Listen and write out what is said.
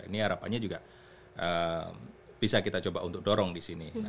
ini harapannya juga bisa kita coba untuk dorong di sini